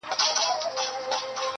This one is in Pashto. شاوخوا یې پلټی ځای په دوکان کي -